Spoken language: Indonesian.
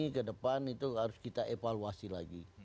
kedepan itu harus kita evaluasi lagi